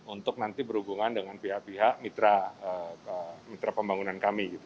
untuk nanti berhubungan dengan pihak pihak mitra pembangunan kami